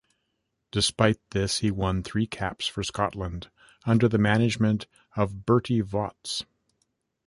Despite this, he won three caps for Scotland under the management of Berti Vogts.